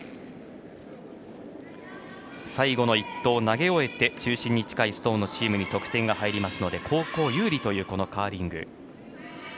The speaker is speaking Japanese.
最後の一投を投げ終えて中心に近いストーンのチームに得点が入りますので後攻有利というカーリング。